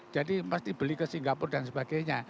jadi mesti beli ke singapura dan sebagainya